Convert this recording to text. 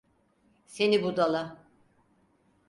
Seni budala!